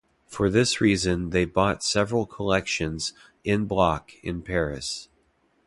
For this reason they bought several collections "en bloc" in Paris.